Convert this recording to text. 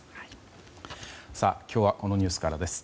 今日はこのニュースからです。